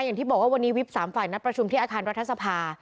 อย่างที่บอกว่าวันนี้วิบ๓ฝ่ายนัดประชุมที่อาคารรัฐสภา